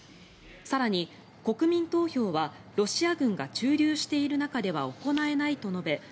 更に国民投票はロシア軍が駐留している中では行えないと述べ